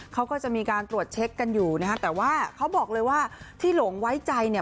เขาก็จะมีการตรวจเช็คกันอยู่นะฮะแต่ว่าเขาบอกเลยว่าที่หลงไว้ใจเนี่ย